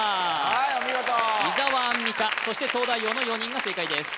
はいお見事伊沢アンミカそして東大王の４人が正解です